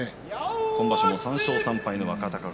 今場所も３勝３敗の若隆景。